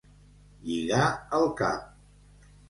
Lligar el cap.